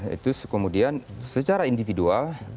itu kemudian secara individual